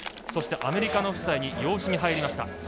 アメリカの夫妻に養子に入りました。